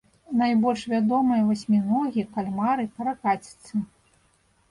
Найбольш вядомыя васьміногі, кальмары, каракаціцы.